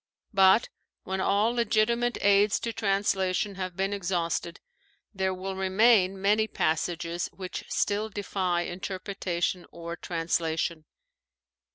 But, when all legitimate aids to translation have been exhausted, there will remain many passages which still defy interpretation or translation.